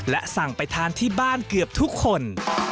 และสั่งไปทานที่บ้านเกือบทุกคน